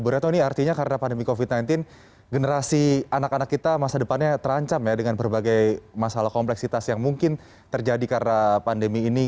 bu retno ini artinya karena pandemi covid sembilan belas generasi anak anak kita masa depannya terancam ya dengan berbagai masalah kompleksitas yang mungkin terjadi karena pandemi ini